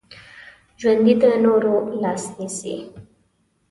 ژوندي د نورو لاس نیسي